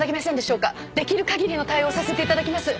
できる限りの対応をさせて頂きます。